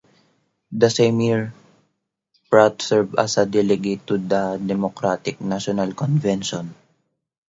The same year, Pratt served as a delegate to the Democratic National Convention.